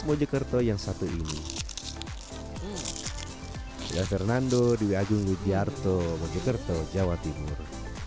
mojokerto yang satu ini ya fernando diwajib lujarto mojokerto jawa timur